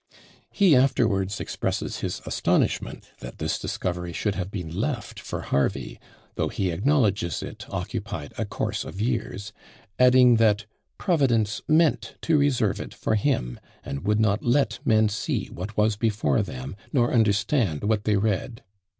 He afterwards expresses his astonishment that this discovery should have been left for Harvey, though he acknowledges it occupied "a course of years;" adding that "Providence meant to reserve it for him, and would not let men see what was before them, nor understand what they read."